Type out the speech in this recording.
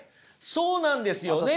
そうなんですよね！